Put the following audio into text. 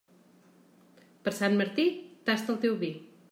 Per Sant Martí, tasta el teu vi.